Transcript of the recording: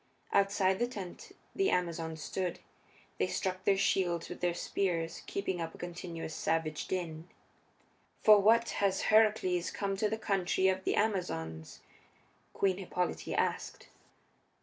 Outside the tent the Amazons stood; they struck their shields with their spears, keeping up a continuous savage din. "For what has Heracles come to the country of the Amazons?" Queen Hippolyte asked.